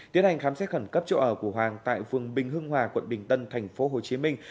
tiến hành khám xét khẩn cấp chỗ ở của hoàng tại phường bình hưng hòa quận bình tân thành phố hồ chí minh